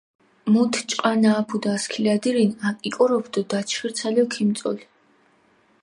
მუთ ჭყანა აფუდჷ ასქილადირინ, აკიკოროფჷ დო დაჩხირცალო ქიმწოლჷ.